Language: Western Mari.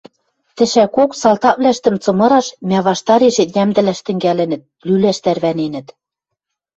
Тӹшӓкок салтаквлӓштӹм цымыраш, мӓ ваштарешет йӓмдӹлӓш тӹнгӓлӹнӹт, лӱлӓш тӓрвӓненӹт.